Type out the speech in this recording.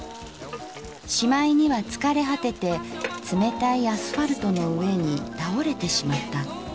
しまいには疲れ果てて冷たいアスファルトの上に倒れてしまった。